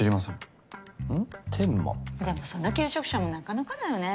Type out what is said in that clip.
でもその求職者もなかなかだよね。